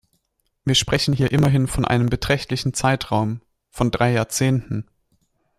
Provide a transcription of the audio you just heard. Wir sprechen hier immerhin von einem beträchtlichen Zeitraum, von drei Jahrzehnten.